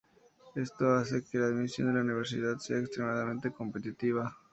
Esto hace que la admisión en la universidad sea extremadamente competitiva.